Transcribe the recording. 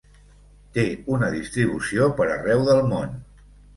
Té una distribució per arreu del món.